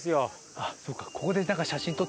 ああそうか。